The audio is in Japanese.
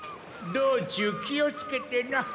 道中気をつけてな。